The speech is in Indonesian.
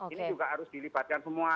ini juga harus dilibatkan semua